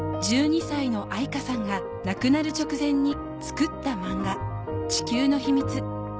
１２歳の愛華さんが亡くなる直前に作った漫画『地球の秘密』